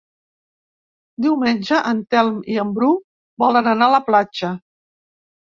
Diumenge en Telm i en Bru volen anar a la platja.